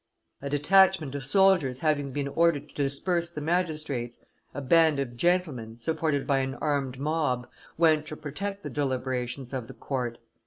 A detachment of soldiers having been ordered to disperse the magistrates, a band of gentlemen, supported by an armed mob, went to protect the deliberations of the court.